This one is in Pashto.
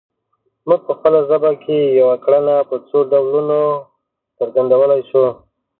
موږ په خپله ژبه کې یوه کړنه په څو ډولونو څرګندولی شو